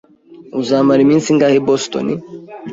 Uzamara iminsi ingahe i Boston?